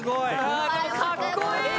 わあでもかっこいい。